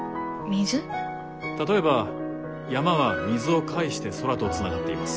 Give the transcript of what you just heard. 例えば山は水を介して空とつながっています。